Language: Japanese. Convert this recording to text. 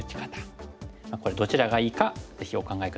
これどちらがいいかぜひお考え下さい。